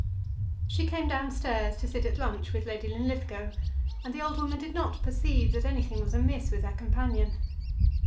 She came down stairs to sit at lunch with Lady Linlithgow, and the old woman did not perceive that anything was amiss with her companion.